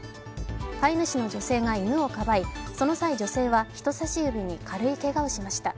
飼い主の女性が犬をかばいその際、女性は人さし指に軽いけがをしました。